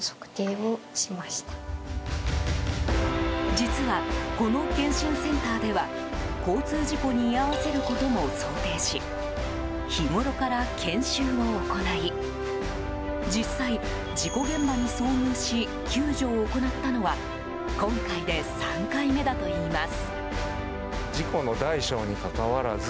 実は、この健診センターでは交通事故に居合わせることも想定し、日ごろから研修を行い実際、事故現場に遭遇し救助を行ったのは今回で３回目だといいます。